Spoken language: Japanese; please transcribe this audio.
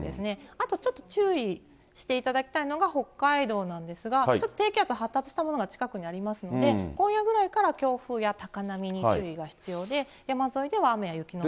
あとちょっと注意していただきたいのが、北海道なんですが、ちょっと低気圧、発達したものが近くにありますので、今夜ぐらいから強風や高波に注意が必要で、山沿いでは雨や雪の所も。